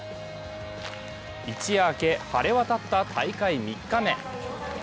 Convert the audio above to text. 一夜明け、晴れわたった大会３日目。